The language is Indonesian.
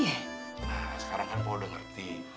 nah sekarang kan power udah ngerti